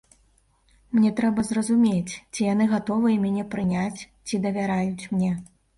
Мне трэба зразумець, ці яны гатовыя мяне прыняць, ці давяраюць мне.